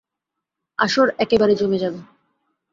আসর একেবারে জমে যাবে।